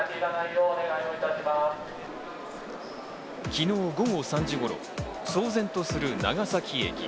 昨日午後３時頃、騒然とする長崎駅。